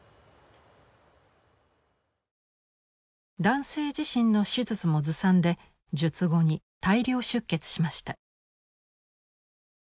男性自身の手術もずさんで術後に大量出血しました。